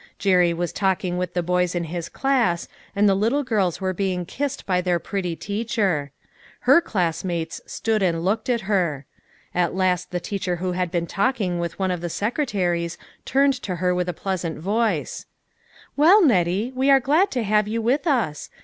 Jerry was talking with the boys in his class, and the little girls were being kissed by their pretty teacher. Her class mates stood and looked at her. At last the teacher who had been talking with one of the secretaries turned to her with a pleasant voice : "Well, Nettie, we are glad to have you with us.